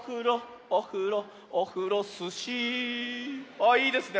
ああいいですね。